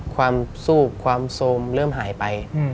ความสู้ความโทรมเริ่มหายไป